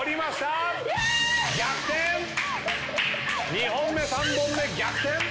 ２本目３本目逆転！